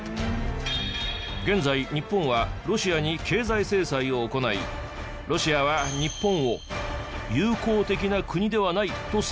現在日本はロシアに経済制裁を行いロシアは日本を友好的な国ではないと宣言。